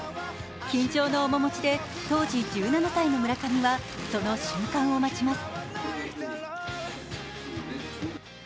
緊張の面持ちで当時１７歳の村上は、その瞬間を待ちます。